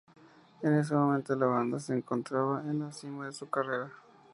En ese momento la banda se encontraba en la cima de su carrera.